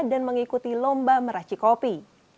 dan mengikuti lomba meraci kopi